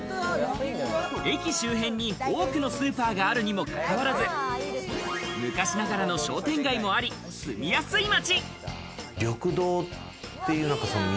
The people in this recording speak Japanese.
駅周辺に多くのスーパーがあるにもかかわらず、昔ながらの商店街もあり、住みやすい町。